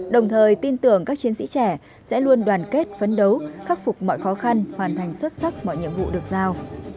đồng thời tin tưởng các chiến sĩ trẻ sẽ luôn đoàn kết phấn đấu khắc phục mọi khó khăn hoàn thành xuất sắc mọi nhiệm vụ được giao